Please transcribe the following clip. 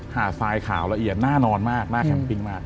ทรายขาวละเอียดน่านอนมากหน้าแคมปิ้งมาก